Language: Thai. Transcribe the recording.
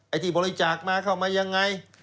ที่บริจาคมาเข้ามายังไง